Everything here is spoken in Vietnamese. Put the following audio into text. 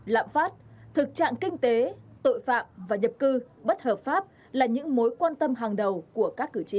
lạm phát thực trạng kinh tế tội phạm và nhập cư bất hợp pháp là những mối quan tâm hàng đầu của các cử tri